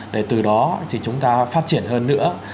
để từ đó thì chúng ta phát triển hơn nữa